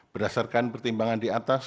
berdasarkan pertimbangan di atas